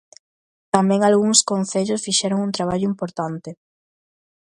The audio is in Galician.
Tamén algúns concellos fixeron un traballo importante.